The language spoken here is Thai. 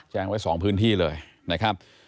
แจ้งไว้๒พื้นที่เลยนะครับ